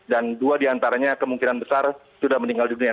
dan dua diantaranya kemungkinan besar sudah meninggal dunia